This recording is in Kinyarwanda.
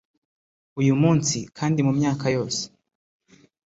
Uyu munsi kandi mumyaka yose